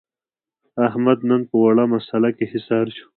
احمد نن په وړه مسعله کې حصار شو.